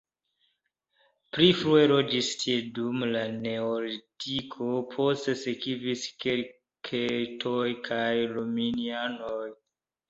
Pli frue loĝis tie dum la neolitiko, poste sekvis keltoj kaj romianoj.